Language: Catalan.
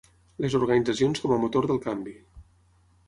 Les organitzacions com a motor del canvi.